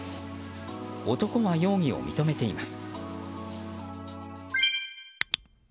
男は容疑を認めています。